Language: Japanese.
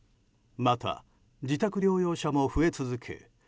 また自宅療養者も増え続け